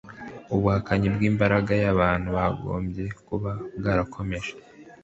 ubuhakanyi bw'imbaga y'abantu bagombye kuba barakomeje